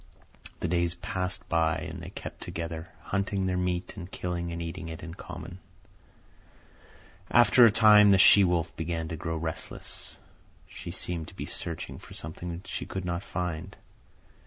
The days passed by, and they kept together, hunting their meat and killing and eating it in common. After a time the she wolf began to grow restless. She seemed to be searching for something that she could not find.